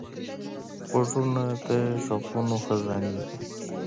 غوږونه د غږونو خزانې دي